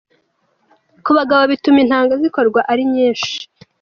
Ku bagabo, bituma intanga zikorwa ari nyinshi.